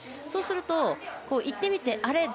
そうすると、行ってみてあれ？